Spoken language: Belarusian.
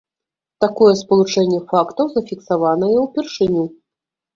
Такое спалучэнне фактаў зафіксаванае ўпершыню.